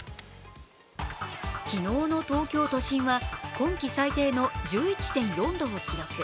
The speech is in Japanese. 昨日の東京都心は今季最低の１１．４度を記録。